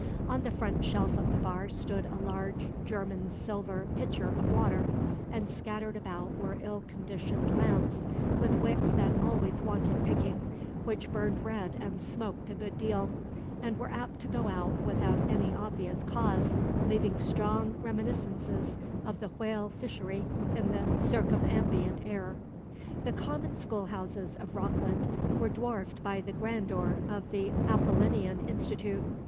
On the front shelf of the bar stood a large German silver pitcher of water, and scattered about were ill conditioned lamps, with wicks that always wanted picking, which burned red and smoked a good deal, and were apt to go out without any obvious cause, leaving strong reminiscences of the whale fishery in the circumambient air. The common schoolhouses of Rockland were dwarfed by the grandeur of the Apollinean Institute.